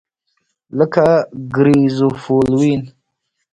لکه ګریزوفولوین.